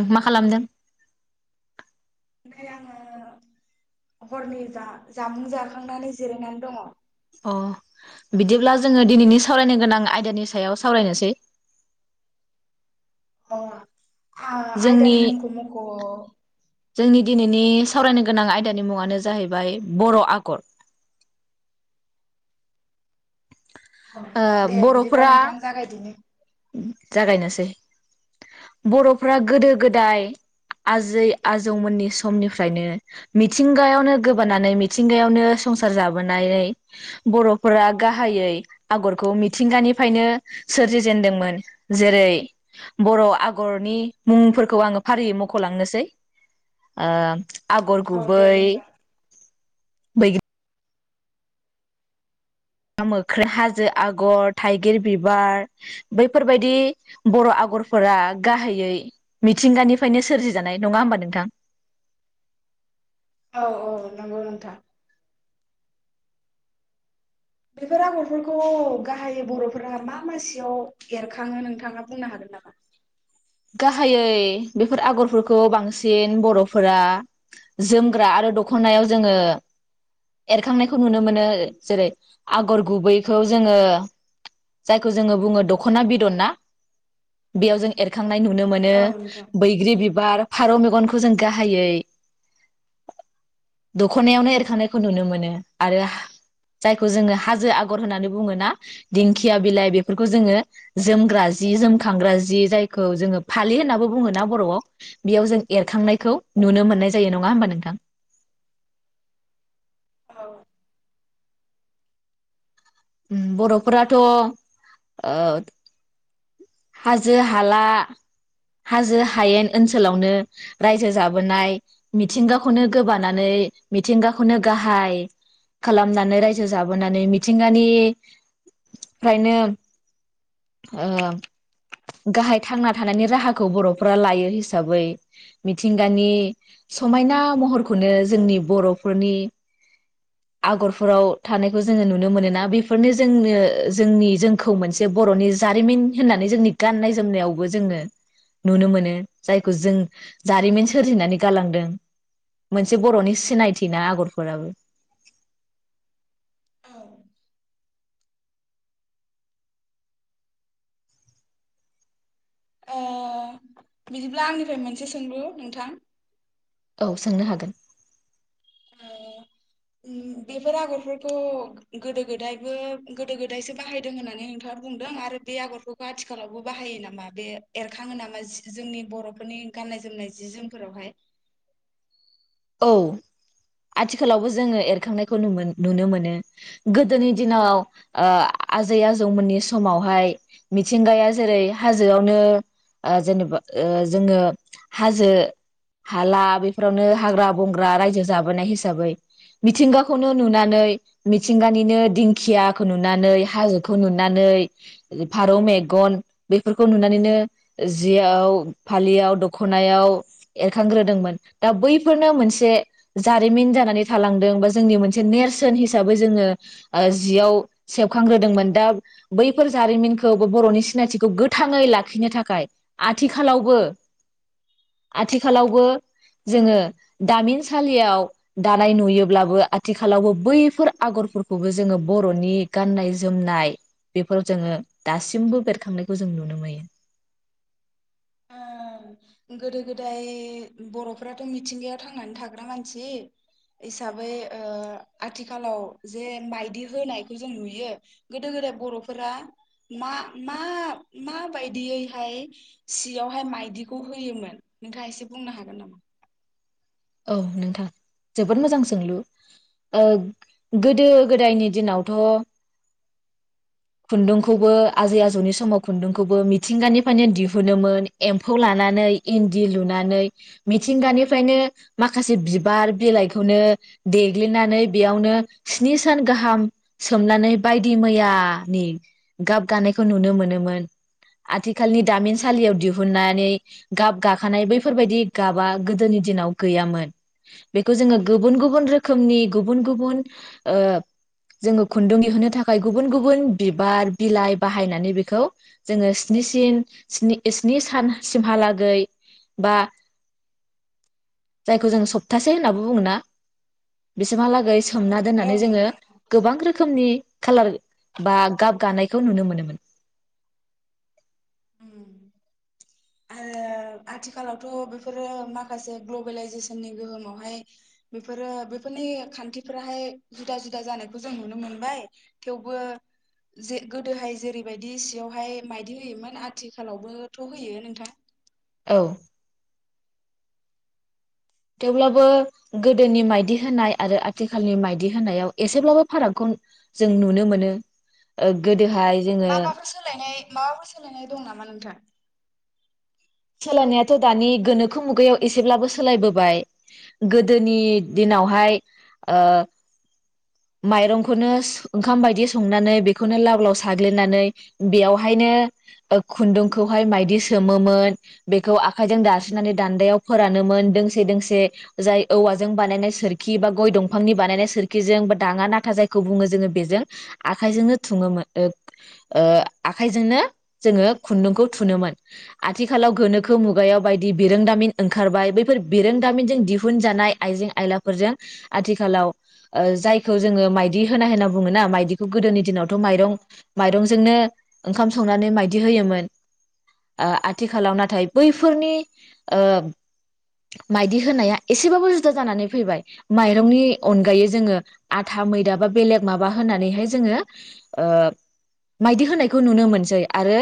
ओं मा खालामदों? ओमफाय आंङो हरनि जा जामुं जाखांनानै जिरायनानै दङ अ बिदिब्ला जोंङो दिनैनि सावरायनो गोनां आयदानि सायाव सावरायनोसै अ आं जोंनि आयदानि मख जोंनि दिनैनि सावरायनो गोनां आयदानि मुङानो जाहैबाय बर' आगर औ ओ दे बिदिब्ला बर'फोरा नोंथां जागायदिनि जागायनोसै बर'फ गोदो गोदाय आजै आजौमोननि समनिफ्रायनो मिथिंगायावनो गोबानानै मिथिंगायावनो संसार जाबोनाय बर'फोरा गाहायै आगरखौ मिथिंगानिफ्रायनो सोरजि जेनदोंमोन जेरै बर' आगरनि मुंफोरखौ आंङो फारियै मख'लांनोसै आगर औ दे गुबै नोंथां बैग्रि मोख्रे हाजो आगर थाइगिर बिबार बैफोरबायाददि बर' आगरफोरा गाहायै मिथिंगानिफ्रायनो सोरजिजानाय नङा होमबा नोंथां? औ औ नंगौ नोंथां। बेफोर आगरफोरखौ गाहाय बर'फोरा मा मासेयाव एरखाङो नोंथाङा बुंनो हागोन नामा? गाहायै बेफोर आगरफोरखौ बांसिन बर'फोरा जोमग्रा आरो दख'नायाव जोङो एरखांनायखौ नुनो मोनो जेरै आगर गुबैखौ जोङो जायखौ जोङो बुङो दख'ना बिदन ना बेयाव जों एर खांनाय नुनो मोनो, औ नोंथां बैग्रि बिबार फारौ मेगनखौ जों गाहायै दखनायावनो एरखांनायखौ नुनो मोनो आरो जायखौ जोङो हाजो आगर होननानै बुङो ना दिंखिया बिलाइ बेफोरखौ जोङो जोमग्रा जि जोमखांग्रा जि जाय जोङो फालि होन्नाबो बुङो ना बर'आव बेयाव जों एरखांनायखौ नुनो मोननाय जायो नङा होमबा नोंथां? औ बर'फोराथ' हाजो हाला हाजो हायेन ओनसोलावनो रायजो जाबोनाय मिथिंगाखौनो गोबानानै मिथिंगाखौनो गाहाय खालामनानै रायजो जाबोनानै मिथिंगानिफ्रायनो गाहाय थांना थानायनि राहाखौ बर'फोरा लायो हिसाबै मिथिंगानि समायना महरखौ बेखौनो जोंनि बर'फोरनि आगरफोराव थानायखौ जोङो नुनो मोनोना बेफोरनो जोंनो जोंनि जोंखौ मोनसे बर'नि जारिमिन होननानै जोंनि गाननाय जोमनायावबो जोङो नुनो मोनो जायखौ जों जारिमिन सोरजिनानै गालांदों मोनसे बर'नि सिनायथि ना आगरफोराबो औ बिदिब्ला आंनिफ्राय मोनसे सोंलु नोंथां औ सोंनो हागोन। बेफोर आगरफोरखौ गोदो गोदायबो गोदो गोदायसो बाहायदों होननानै नोंथाङा बुंदों आरो बे आगरफोरखौ आथिखालावबो बाहायो नामा बे एरखाङो नामा जोंनि बर'फोरनि गाननाय जोमनाय जि जोमफोरावहाय औ आथिखालावबो जोङो एरखांनायखौ नुनो मोनो गोदोनि दिनाव आजै आजौमोननि समावहाय मिथिंगाया जेरै हाजोआवनो जेनेबा जोङो हाजो हाला बेफोरावनो हाग्रा बंग्रा रायजो जाबोनाय हिसाबै मिथिंगाखौनो नुनानै मिथिंगानिनो दिंखियाखौ नुनानै हाजोखौ नुनानै फारौ मेगन बेफोरखौ नुनानैनो जियाव फालियाव दखनायाव एरखांग्रोदोंमोन दा बैफोर बेफोरनो मोनसे जारिमिन जानानै थालांदों बा जोंनि मोनसे नेरसोन हिसाबै जोङो जियाव सेबखांग्रोदोंमोन दा बैफोर जारिमिनखौ बा बर'नि सिनायथिखौ गोथाङै लाखिनो थाखाय आथिखालावबो आथिखालावबो जोङो दामिनसालियाव दानाय नुयोब्लाबो आथिखालावबो बैफोर आगरफोरखौबो जोङो बर'नि गाननाय जोमनाय बेफोराव जोङो दासिमबो बेरखांनायखौ जों नुनो मोनो। गोदो गोदाय बर'फोराथ' मिथिंगायाव थांनानै थाग्रा मानसि हिसाबै आथिखालाव जे माइदि होनायखौ जों नुयो गोदो गोदाय बर'फोरा मा मा माबायदियैहाय सियावहाय माइदिखौ होयोमोन नोंहा एसे बुंनो हागोन नामा? औ नोंथां जोबोद मोजां सोंलु गोदो गोदायनि दिनावथ' खुन्दुंखौबो आजै आजौनि समाव खुन्दुंखौबो मिथिंगानिफ्रायनो दिहुनोोन एम्फौ लानानै इन्दि लुनानै मिथिंगानिफ्रायनो माखासे बिबार बिलाइखौनो देग्लिनानै बेयावनो स्नि सान गाहाम सोमनानै बायदि मैयानि गाब गानायखौ नुनो मोनोमोन आथिखालनि दामिनसालियाव दिहुननानै गाब गाखानाय बैफोरबायदि गाबा गोदोनि दिनाव गैयामोन बेखौ जोङो गुबुन गुबुन रोखोमनि गुबुन गुबुन जोङो खुन्दुं दिहोनो थाखाय गुबुन गुबुन बिबार बिलाइ बाहायनानै बेखौ जोङो स्निसिन स्नि सानसिमहालागै बा जायखौ जों सप्तासे होननानै बुङो ना! सिमहालागै औ सोमना औ दोननानै जोङो नोंथां गोबां रोखोमनि खालार बा गाब गानायखौ नुनो मोनोमोन। उम आरो आथिखालावथ' बेफोरो माखासे ग्लबेलाइजेसननि गोहोमावहाय बेफोरो बेफोरनि खान्थिफ्राहाय जुदा जुदा जानायखौ जों नुनो मोनबाय थेवबो जे गोदोहाय जेरैबायदि सियावहाय माइदि होयोमोन आरो आथिखालावबोथ' होयो नोंथां। औ थेवब्लाबो गोदोनि माइदि होनाय आरो आथिखालनि माइदि होनायाव एसेब्लाबो फारागखौ जों नुनो मोनो ओ गो गोदोहाय जोङो माबाफोर सोलायनाय माबाफोर सोलायनाय दं नामा नोंथां? सोलायनायाथ' दानि गोनोखो मुगायाव एसेब्लाबो सोलायबोबाय गो गोदोनि दिनावहाय ओ माइरंखौनो ओंखाम बायदि संनानै बेखौनो लाव लाव साग्लिनानै बेयावहायनो ओ खुन्दुंखौहाय माइदि सोमोमोन। बेखौ आखाइजों दास्रिनानै दान्दायाव फोरानोमोन दोंसे दोंसे जाय औवाजों बानायनाय सोरखि बा गय दंफांनि बानायनाय सोरखिजों बा दाङा नाथा जायखौ बुङो जोङो बेजों आखायजोंनो थुंङोमोन ओ ओ आखाइजोंनो जोङो खुन्दुंखौ थुनोमोन आ थिखालाव गोनोखो मुगायाव बायदि बिरोंदामिन ओंखारबाय बैफोर बिरोंदामिनजों दिहुनजानाय आइजें आयलाफोरजों आथिखालाव ओ जायखौ जोङो माइदि होनाय होनना बुङो ना माइदिखौ गोदोनि दिनावथ' माइरं माइरंजोंनो ओंखाम संनानै माइदि होयोमोन। ओ आ थिखालाव नाथाय बैफोरनि ओ माइदि होनाया एसेबाबो जुदा जानानै फैबाय माइरंनि अनगायै जोङो आथा मैदा बा बेलेग माबा होननानैहाय जोङो ओ मायदि होनाय खौ नुनो मोनसै आरो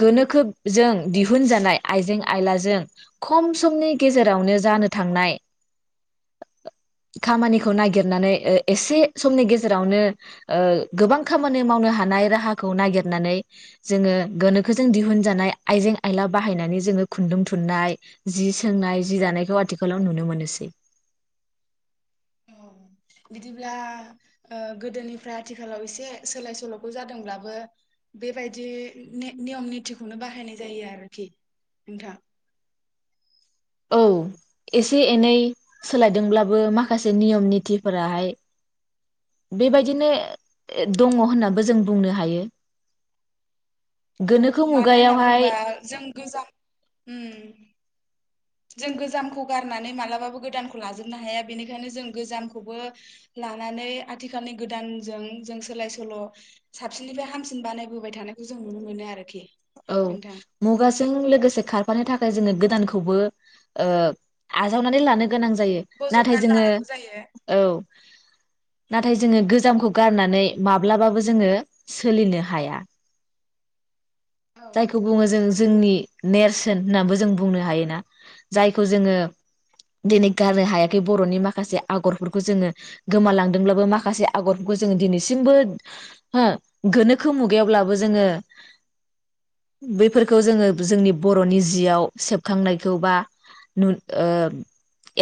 गोनोखो जों दिहुनजानाय आइजें आइलाजों खम समनि गेजेरावनो जानो थांनाय खामानिखौ नागिरनानै ओ एसे समनि गेजेरावनो ओ गोबां खामानि मावनो हानाय राहाखौ नागिरनानै जोङो गोनोखोजों दिहुनजानाय आइजें आयला बाहायनानै जोङो खुन्दुं थुननाय जि सोंनाय जि दानायखौ आथिखालाव नुनो मोनोसै औ बिदिब्ला ओ गोदोनिफ्राय आथिखालाव एसे सोलाय सोल'खौ जादोंब्लाबो बेबायदि नियम नितिखौनो बाहायनाय जायो आरोखि नोंथां औ एसे एनै सोलायदोंब्लाबो माखासे नियम नितिफोराहाय बेबायदिनो दङ होननाबो जों बुंनो हायो। औ गोनोखो मानो होनना मुगायावहाय बुंबा जों गोजाम जों गोजामखौ गारनानै मालाबाबो गोदानखौ लाजोबनो हाया बेनिखायनो जों गोजामखौबो लानानै आथिखालनि गोदानजों जों सोलाय सोल' साबसिननिफ्राय हामसिन बानायबोबाय थानायखौ जों नुनो मोनो आरोखि औ नोंथां। मुगाजों लोगोसे खारफानो थाखाय जोङो गो दानखौबो ओ आजावनानै लानो गोनां जायो नाथाय बजबनानै जोङो लानांगौ जायो। औ नाथाय जोङो गोजामखौ गारनानै माब्लाबाबो जोंङो सोलिनो हाया। औ जायखौ नोंथां बुङो जों जोंनि नेरसोन होननाबो जों बुंनो हायोना जायखौ जोङो दिनै गारनो हायाखै बर'नि माखासे आगरफोरखौ जोङो गोमालांदोंब्लाबो माखासे आगरफोरखौ जोङो दिनैसिमबो हो गोनोखो मुगायावब्लाबो जोङो। बैफोरखौ जोङो जोंनि बर'नि जियाव सेबखांनायखौ बा ओ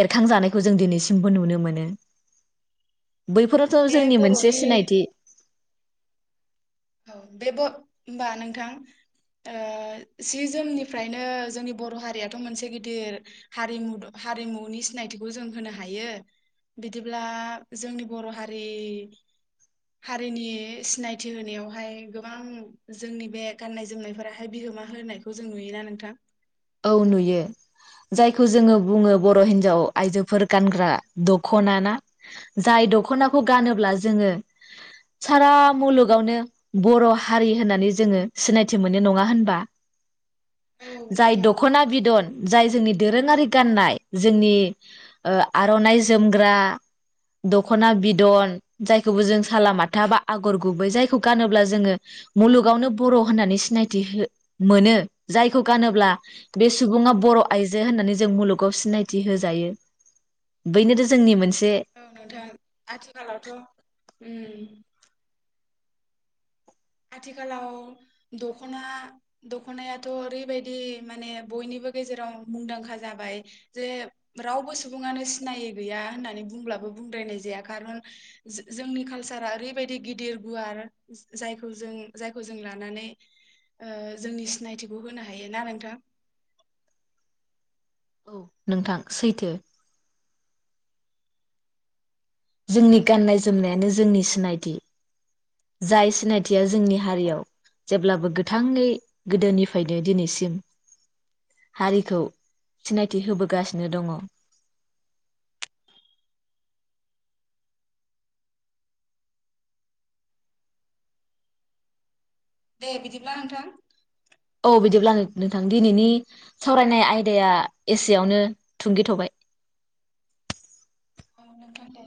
एरखांजानायखौ जों दिनैसिमबो नुनो मोनो। औ बैफोरथ' बे जोंनि मोनसे बर'नि सिनायथि औ बे होमबा नोंथां ओ सि जोमनिफ्रायनो जोंनि बर' हारियाथ' मोनसे गिदिर हारिमु हारिमुनि सिनायथिखौ जों होनो हायो बिदिब्ला जोंनि बर' हारि हारिनि सिनायथि होनायाव बेहाय गोबां जोंनि बे गाननाय जोमनायफोराहाय बिहोमा होनायखौ जों नुयोना नोंथां औ नुयो जायखौ जोङो बुङो बर' हिनजाव आइजोफोर गानग्रा दखना ना जाय दख'नाखौ गानोब्ला जोङो। सारा मुलुगावनो बर' हारि होननानै जोङो सिनायथि मोनो नङा होनबा? औ जाय नोंथां दख'ना बिदन जाय जोंनि दोरोङारि गाननाय जोंनि ओ आर'नाइ जोमग्रा दख'ना बिदन जायखौबो जों सालामाथा बा आगर गुबै जायखौ गानोब्ला जोङो मुलुगावनो बर' होननानै सिनायथि हो मोनो जायखौ गानोब्ला बे सुबुङा बर' आइजो होननानै जों मुलुगाव सिनायथि होजायो बैनोथ' जोंनि मोनसे औ नोथां आथिखालावथ' ओम आथिखालाव दख'ना दख'नायाथ' ओरैबायदि माने बयनिबो गेजेराव मुंदांखा जाबाय जे रावबो सुबुङानो सिनायै गैया होननानै बुंब्लाबो बुंद्रायनाय जाया कारन जो-जोंनि कालचारा ओरैबायदि गिदिर गुवार जायखौ जों जायखौ जों लानानै ओ जोंनि सिनायथिखौ होनो हायो ना नोंथां? औ नोंथां सैथो जोंनि गाननाय जोमनायानो जोंनि सिनायथि जाय सिनायथिया जोंनि हारियाव जेब्लाबो गोथाङै गोदोनिफ्रायनो दिनैसिम हारिखौ सिनायथि होबोगासिनो दङ दे बिदिब्ला नोंथां औ बिदिब्ला नोंथां दिनैनि सावरायनाय आयदाया एसेयावनो थुंगेथ'बाय औ नोंथां दे